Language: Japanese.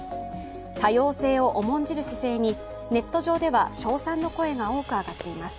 多様性を重んじる姿勢にネット上では称賛の声が多く上がっています。